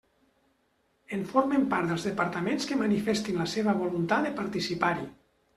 En formen part els departaments que manifestin la seva voluntat de participar-hi.